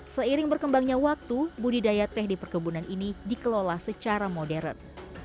seiring berkembangnya waktu budidaya teh di perkebunan ini dikelola secara modern